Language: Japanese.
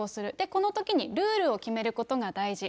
このときに、ルールを決めることが大事。